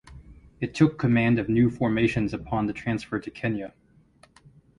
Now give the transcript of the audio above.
It took command of new formations upon the transfer to Kenya.